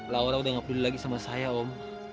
laura udah gak peduli lagi sama saya om